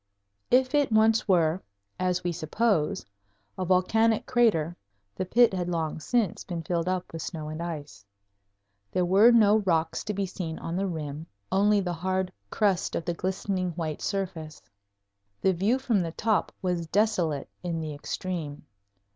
If it once were, as we suppose, a volcanic crater, the pit had long since been filled up with snow and ice. There were no rocks to be seen on the rim only the hard crust of the glistening white surface. The view from the top was desolate in the extreme.